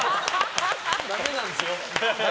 ダメなんですよ。